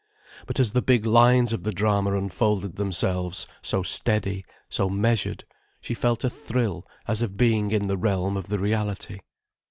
But as the big lines of the drama unfolded themselves, so steady, so measured, she felt a thrill as of being in the realm of the reality.